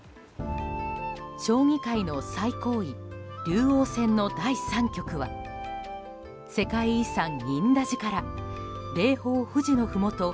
将棋界の最高位竜王戦の第３局は世界遺産・仁和寺から霊峰・富士のふもと